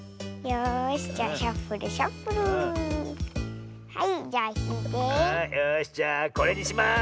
よしじゃあこれにします。